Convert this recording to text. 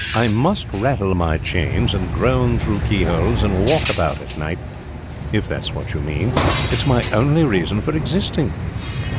I must rattle my chains, and groan through keyholes, and walk about at night, if that is what you mean. It is my only reason for existing."